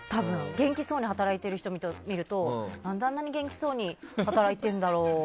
元気そうに働いている人を見ると何であんなに元気そうに働いてるんだろうって。